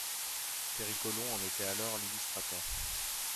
Terry Colon en était alors l'illustrateur.